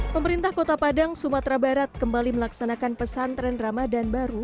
pemerintah kota padang sumatera barat kembali melaksanakan pesantren ramadan baru